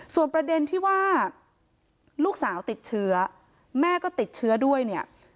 ส่วนประเด็นที่ว่าลูกสาวติดเชื้อแม่ก็ติดเชื้อด้วยเนี่ย